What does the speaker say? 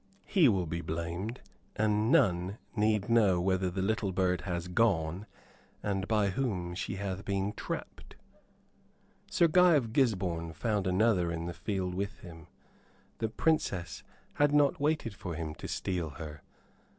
He will be blamed; and none need know whither the little bird has gone and by whom she hath been trapped." Sir Guy of Gisborne found another in the field with him; the Princess had not waited for him to steal her.